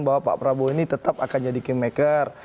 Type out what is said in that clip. bahwa pak prabowo ini tetap akan jadi kingmaker